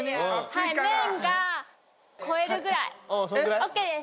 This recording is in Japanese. はい麺が超えるぐらいＯＫです